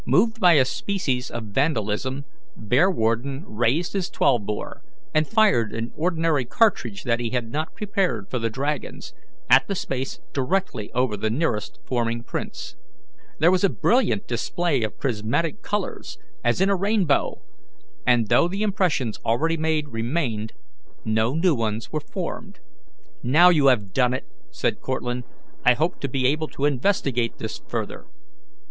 Moved by a species of vandalism, Bearwarden raised his twelve bore, and fired an ordinary cartridge that he had not prepared for the dragons, at the space directly over the nearest forming prints. There was a brilliant display of prismatic colours, as in a rainbow, and though the impressions already made remained, no new ones were formed. "Now you have done it!" said Cortlandt. "I hoped to be able to investigate this further."